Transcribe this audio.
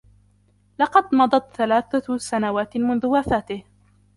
لقد مضت ثلاثة سنوات منذ وفاته.